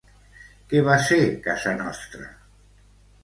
Què va ser Casa Nostra?